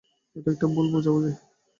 এটা একটা ভুল বোঝবুঝি।